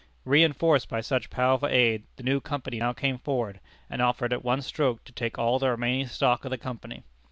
Reënforced by such powerful aid, the new Company now came forward, and offered at one stroke to take all the remaining stock of the Company.